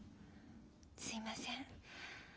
すいません。